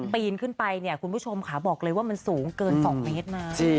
ปีนขึ้นไปเนี่ยคุณผู้ชมค่ะบอกเลยว่ามันสูงเกิน๒เมตรมา